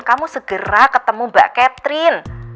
kamu segera ketemu mbak catherine